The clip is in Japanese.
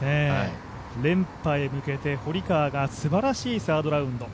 連覇へ向けて堀川がすばらしいサードラウンド。